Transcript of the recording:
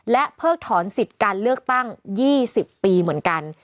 เพิกถอนสิทธิ์การเลือกตั้ง๒๐ปีเหมือนกัน